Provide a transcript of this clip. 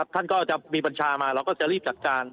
ท่านก็จะมีบัญชามาเราก็จะรีบจัดการ